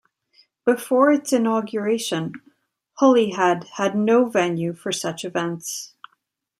Before its inauguration, Holyhead had no venue for such events.